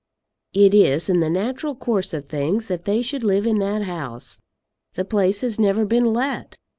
It is in the natural course of things that they should live in that house. The place has never been let.